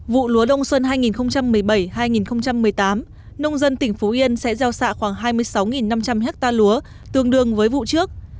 vụ lúa đông xuân hai nghìn một mươi bảy hai nghìn một mươi tám nông dân tỉnh phú yên sẽ gieo xạ khoảng hai mươi sáu năm trăm linh ha lúa tương đương với vụ trước